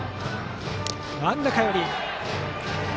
真ん中寄り。